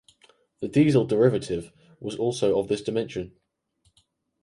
The diesel derivative was also of this dimension.